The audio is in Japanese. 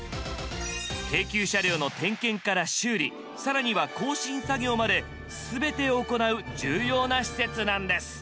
京急車両の点検から修理更には更新作業まで全てを行う重要な施設なんです。